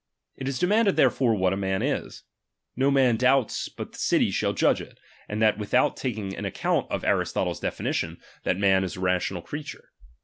It is demanded therefore, what a man is. ^H No man doubts but the city shall judge it, and that ^H without taking an account of Aristotle's definition, ^H that man is a rational creature.